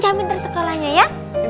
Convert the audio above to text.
jamin terus sekolahnya ya